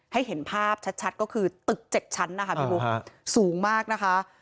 ให้เห็นภาพชัดก็คือตึก๗ชั้นสูงมากนะคะ